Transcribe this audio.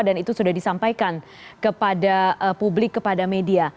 dan itu sudah disampaikan kepada publik kepada media